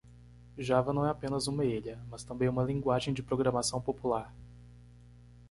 Java não é apenas uma ilha?, mas também uma linguagem de programação popular.